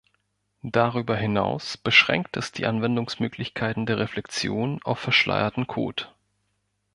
Darüber hinaus beschränkt es die Anwendungsmöglichkeiten der Reflexion auf verschleierten Code.